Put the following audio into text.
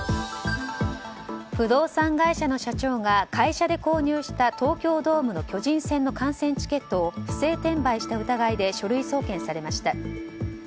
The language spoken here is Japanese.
不動産会社の社長が会社で購入した東京ドームの巨人戦の観戦チケットを不正転売した疑いで書類送検されました。